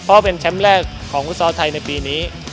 เพราะเป็นแชมป์แรกของฟุตซอลไทยในปีนี้